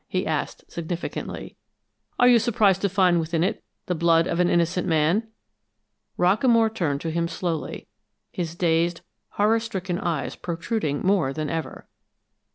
he asked, significantly. "Are you surprised to find within it the blood of an innocent man?" Rockamore turned to him slowly, his dazed, horror stricken eyes protruding more than ever.